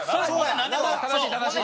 正しい正しい。